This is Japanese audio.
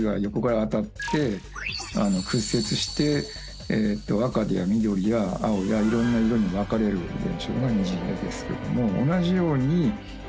屈折して赤や緑や青やいろんな色に分かれる現象が虹色ですけども。